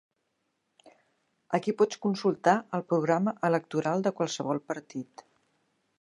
Aquí pots consultar el programa electoral de qualsevol partit.